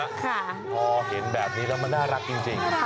พอเห็นแบบนี้แล้วมันน่ารักจริง